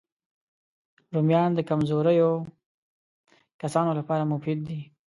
رومیان د کمزوریو کسانو لپاره مفید دي